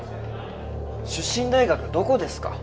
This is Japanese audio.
出身大学どこですか？